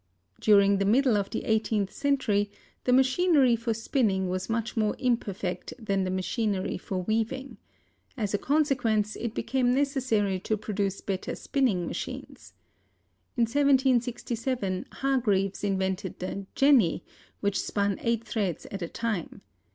During the middle of the eighteenth century the machinery for spinning was much more imperfect than the machinery for weaving. As a consequence, it became necessary to produce better spinning machines. In 1767 Hargreaves invented the "jenny" which spun eight threads at a time.